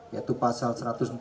yaitu pasal satu ratus empat puluh